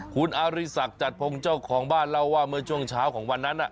คุณอาริสักจัดพงศ์เจ้าของบ้านเล่าว่าเมื่อช่วงเช้าของวันนั้น